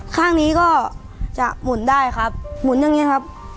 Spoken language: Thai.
ข้างนี้ก็จะหมุนได้ครับหมุนอย่างนี้ครับ